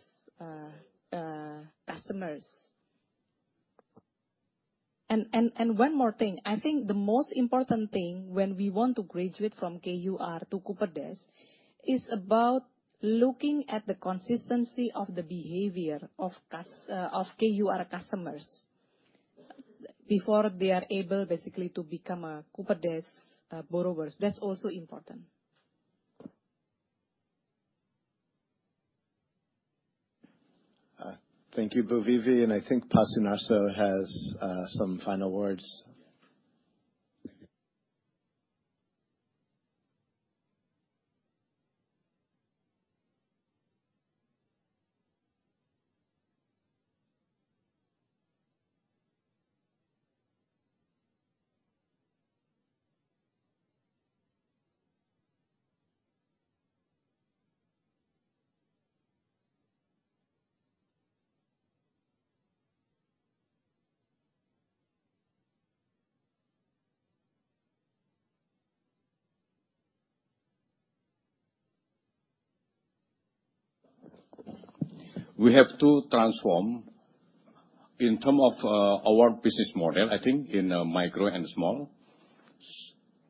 Speaker 3: customers. And one more thing, I think the most important thing when we want to graduate from KUR to Kupedes, is about looking at the consistency of the behavior of cus- of KUR customers before they are able basically to become a Kupedes borrowers. That's also important.
Speaker 1: Thank you, Bu Vivi, and I think Pak Sunarso has some final words.
Speaker 2: We have to transform in term of our business model, I think, in Micro and Small.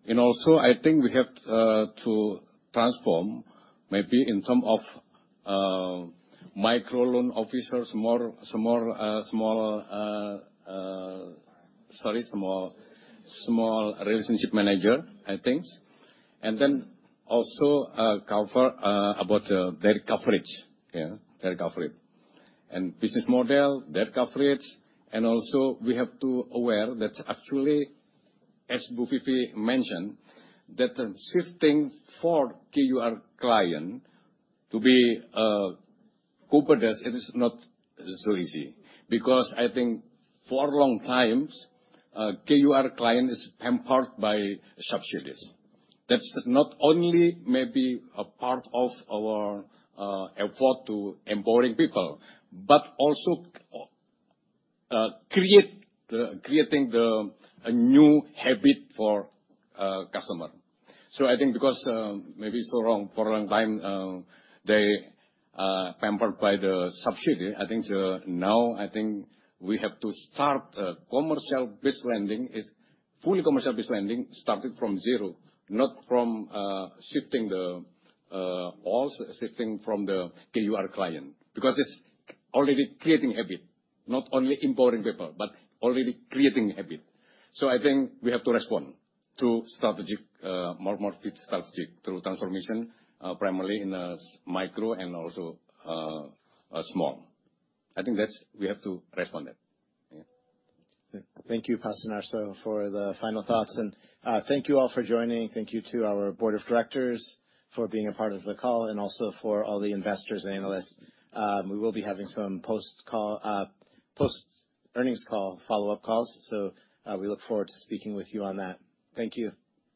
Speaker 2: And also, I think we have to transform maybe in term of Micro Loan Officers, more, some more small, sorry, some more Small Relationship Manager, I think. And then also cover about their coverage, yeah, their coverage. And business model, their coverage, and also we have to aware that actually, as Bu Vivi mentioned, that the shifting for KUR client to be Kupedes, it is not so easy. Because I think for long times, KUR client is pampered by subsidies. That's not only maybe a part of our effort to empowering people, but also creating a new habit for customer. So I think because, maybe so long, for a long time, they pampered by the subsidy. I think the, now, I think we have to start a commercial-based lending, is fully commercial-based lending, starting from zero, not from shifting the, also shifting from the KUR client. Because it's already creating a habit. Not only empowering people, but already creating a habit. So I think we have to respond to strategic, more, more fit strategic through transformation, primarily in a s- Micro and also, Small. I think that's, we have to respond it. Yeah.
Speaker 1: Thank you, Pak Sunarso, for the final thoughts, and thank you all for joining. Thank you to our Board of Directors for being a part of the call, and also for all the investors and analysts. We will be having some post-call, post-earnings call, follow-up calls, so we look forward to speaking with you on that. Thank you.